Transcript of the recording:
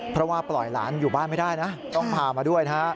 เพราะว่าปล่อยหลานอยู่บ้านไม่ได้นะต้องพามาด้วยนะฮะ